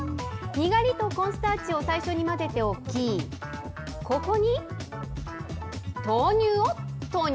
にがりとコーンスターチを最初に混ぜておき、ここに豆乳を投入。